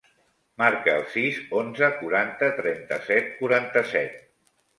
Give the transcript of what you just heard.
Marca el sis, onze, quaranta, trenta-set, quaranta-set.